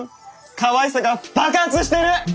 かわいさが爆発してる！